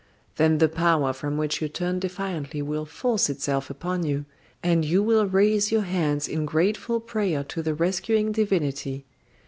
Then the power from which you turned defiantly will force itself upon you, and you will raise your hands in grateful prayer to the rescuing divinity.